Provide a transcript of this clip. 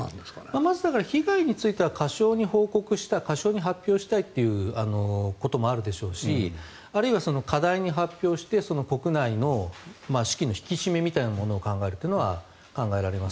まず被害については過少に報告したい過少に発表したいということもあるでしょうしあるいは過大に発表して国内の士気の引き締めというのを考えるというのは考えられます。